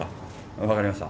分かりました。